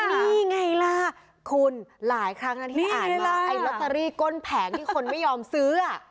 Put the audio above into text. นี่ไงล่ะคุณหลายครั้งนะที่อ่านไอ้ลอตเตอรี่ก้นแผงที่คนไม่ยอมซื้อ